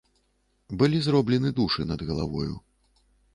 Былі зроблены душы над галавою.